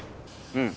うん。